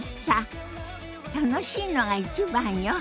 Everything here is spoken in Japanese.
楽しいのが一番よ。